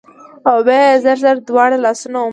او بيا يې زر زر دواړه لاسونه ومږل